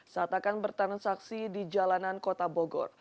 saat akan bertransaksi di jalanan kota bogor